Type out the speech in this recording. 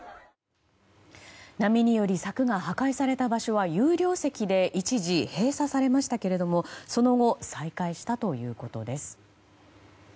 波により柵が破壊された場所は有料席で一時閉鎖されましたけどもその後再開したということです。